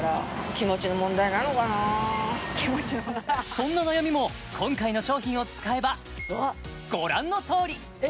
そんな悩みも今回の商品を使えばご覧のとおり！